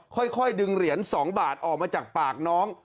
ค่อยดึงเหรียญ๒บาทออกมาจากปากน้อง